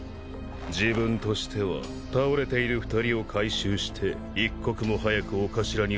自分としては倒れている２人を回収して一刻も早く御頭に報告したい。